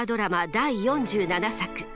第４７作。